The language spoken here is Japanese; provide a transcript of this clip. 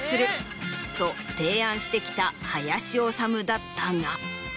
してきた林修だったが。